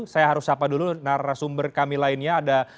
saya harus sapa dulu narasumber kami lainnya ada